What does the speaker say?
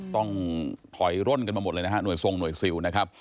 ต้องถอยร่นกันมาหมดเลยหน่วยทรงหน่วยซิล